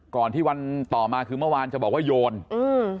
ก่อนที่วันต่อมาคือเมื่อวานจะบอกว่าโยนอืม